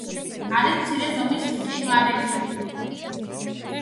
არის მცირე ზომის მყინვარები.